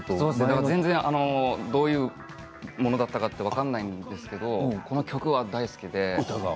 全然どういうものだったか分からないんですけどこの曲は大好きで。